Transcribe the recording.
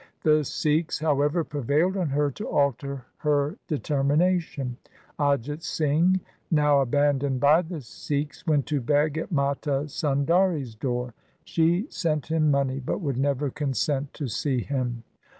The Sikhs, however, prevailed on her to alter her determination. Ajit Singh now abandoned by the Sikhs went to beg at Mata Sundari's door. She sent him money, but would never consent to see him.